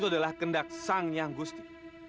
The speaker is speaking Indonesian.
adalah kendak sang nyanggusti